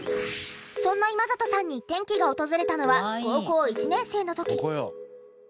そんな今里さんに転機が訪れたのは高校１年生の時。